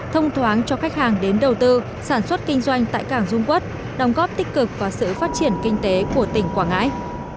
thông thoáng cho khách hàng đến đầu tư sản xuất kinh doanh tại cảng dung quốc đồng góp tích cực và sự phát triển kinh tế của tỉnh quảng ngãi